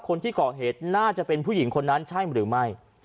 คนที่เกาะเหตุน่าจะเป็นผู้หญิงคนนั้นใช่มั้ย